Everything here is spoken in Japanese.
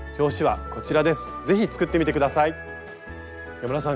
山田さん